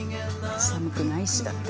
「寒くないし」だって。